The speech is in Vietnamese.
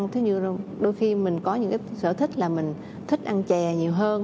thứ như đôi khi mình có những cái sở thích là mình thích ăn chè nhiều hơn